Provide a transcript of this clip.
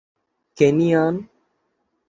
Korean উপদ্বীপ।